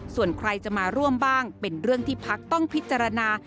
ส่วนใครจะมาร่วมบ้างเป็นเรื่องที่พักต้องพิจารณา